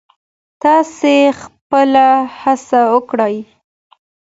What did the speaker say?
تاسې خپله هڅه وکړئ.